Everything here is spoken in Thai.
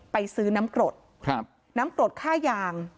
ไปซื้อน้ำกรดน้ำกรดค่ายาง